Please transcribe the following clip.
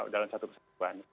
dalam satu kesempatan